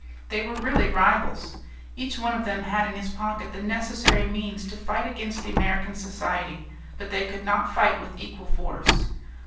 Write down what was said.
They were really rivals. Each one of them had in his pocket the necessary means to fight against the American Society. But they could not fight with equal force.